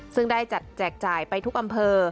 ซึ่งได้จัดแจกจ่ายไปทุกอำเภอ